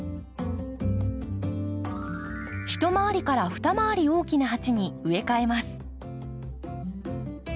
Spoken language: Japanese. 一回りから二回り大きな鉢に植え替えます。